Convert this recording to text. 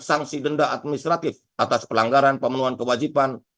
sanksi denda administratif atas pelanggaran pemenuhan kewajiban